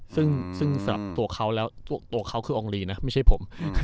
ซึ่งสำหรับตัวเขาแล้วตัวเขาคืออองลีนะไม่ใช่ผม